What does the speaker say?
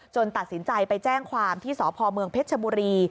จนตัดสินใจไปแจ้งความที่สพเผชมุรี